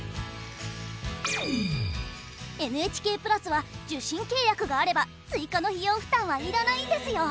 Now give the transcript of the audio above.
ＮＨＫプラスは受信契約があれば追加の費用負担は要らないんですよ。